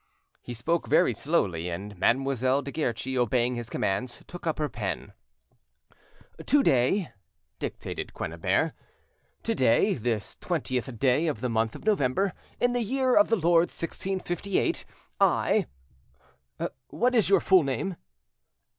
He spoke very slowly, and Mademoiselle de Guerchi, obeying his commands, took up her pen. "'To day,'" dictated Quennebert,—"'to day, this twentieth day of the month of November, in the year of the Lord 1658, I— "What is your full name?"